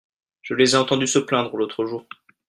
Je les ai entendu se plaindre l'autre jour.